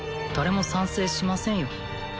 誰も賛成しませんよ